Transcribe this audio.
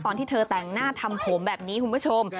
ตอนที่เธอแต่งหน้าทำผมแบบนี้คุณผู้ชม